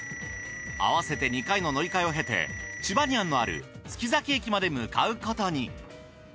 あわせて２回の乗り換えを経てチバニアンのある月崎駅まで向かうことに。